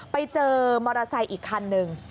ไปเจอมอเตอร์ไซค์อีกคันหนึ่ง